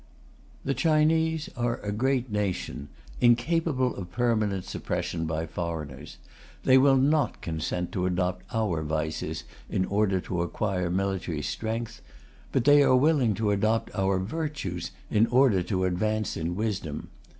The Chinese are a great nation, incapable of permanent suppression by foreigners. They will not consent to adopt our vices in order to acquire military strength; but they are willing to adopt our virtues in order to advance in wisdom.